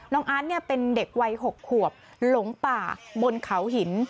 อาร์ตเป็นเด็กวัย๖ขวบหลงป่าบนเขาหิน